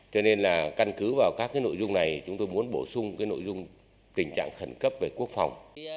cho nên là căn cứ vào các nội dung này chúng tôi muốn bổ sung nội dung tình trạng khẩn cấp về quốc phòng